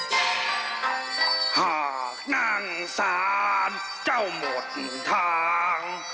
หากนั่งสารเจ้าหมดทาง